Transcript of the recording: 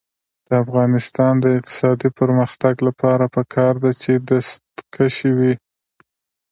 د افغانستان د اقتصادي پرمختګ لپاره پکار ده چې دستکشې وي.